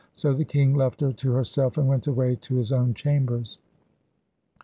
So the king left her to herself, and went away to his own chambers.